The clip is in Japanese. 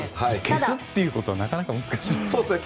消すということはなかなか難しいですね。ですね。